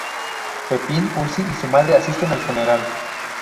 Pepín, Usi y su madre asisten al funeral.